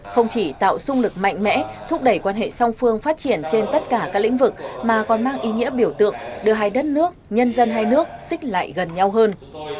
không chỉ tạo sung lực mạnh mẽ thúc đẩy quan hệ song phương phát triển trên tất cả các lĩnh vực mà còn mang ý nghĩa biểu tượng đưa hai đất nước nhân dân hai nước xích lại gần nhau hơn